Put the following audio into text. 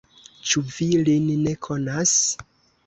Ĉu vi lin ne konas?